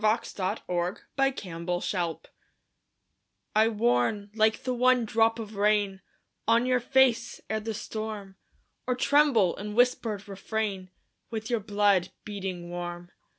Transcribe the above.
THE VOICE OF THE VOID I warn, like the one drop of rain On your face, ere the storm; Or tremble in whispered refrain With your blood, beating warm.